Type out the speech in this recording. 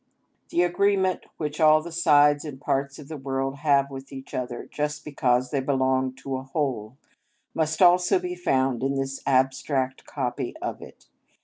The agreement which all the sides and parts of the world have with each other, just because they belong to a whole, must also be found in this abstract copy of it.